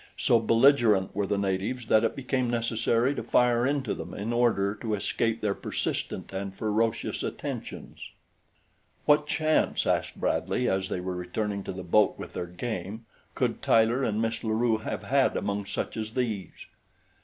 So belligerent were the natives that it became necessary to fire into them in order to escape their persistent and ferocious attentions. "What chance," asked Bradley, as they were returning to the boat with their game, "could Tyler and Miss La Rue have had among such as these?"